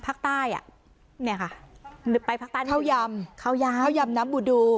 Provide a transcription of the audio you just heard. ภาคใต้อ่ะเนี่ยค่ะนึกไปภาคใต้ข้าวยามข้าวยามข้าวยามน้ำบูดู